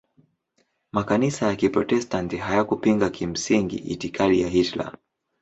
Makanisa ya Kiprotestanti hayakupinga kimsingi itikadi ya Hitler.